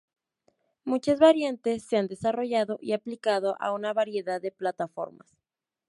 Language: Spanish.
Muchas variantes se han desarrollado y aplicado a una variedad de plataformas.